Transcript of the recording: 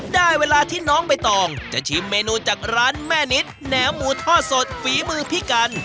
ได้เวลาที่น้องใบตองจะชิมเมนูจากร้านแม่นิดแหนมหมูทอดสดฝีมือพี่กัน